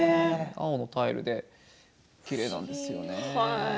青のタイルできれいなんですよ。